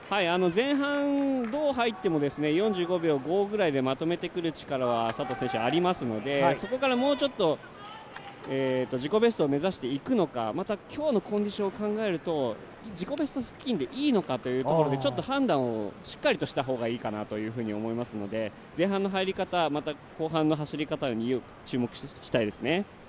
前半、どう入っても４５秒５ぐらいでまとめてくる力は佐藤選手、ありますのでそこからもうちょっと自己ベストを目指していくのかまた今日のコンディションを考えると、自己ベスト付近でいいのかというところのちょっと判断をしっかりした方がいいかなと思いますので前半の入り方、後半の走り方に注目したいですね。